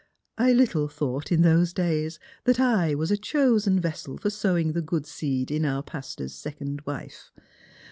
I little thought in those days that I was a chosen vessel for sowing the good seed in our pastor's second wife.